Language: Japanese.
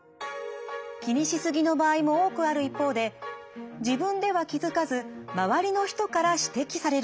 気にし過ぎの場合も多くある一方で自分では気付かず周りの人から指摘されることも。